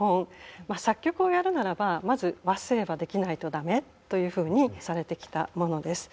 まあ作曲をやるならばまず和声はできないと駄目というふうにされてきたものです。